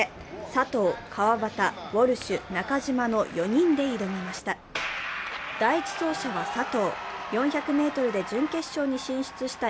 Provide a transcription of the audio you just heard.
佐藤、川端、ウォルシュ、中島の４人で挑みました。